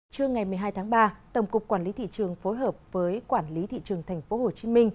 trưa ngày một mươi hai tháng ba tổng cục quản lý thị trường phối hợp với quản lý thị trường tp hcm